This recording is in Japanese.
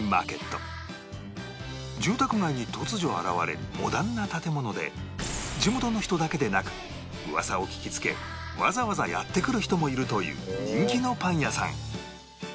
住宅街に突如現れるモダンな建物で地元の人だけでなく噂を聞きつけわざわざやって来る人もいるという人気のパン屋さん